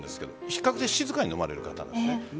比較的静かに飲まれる方なんです。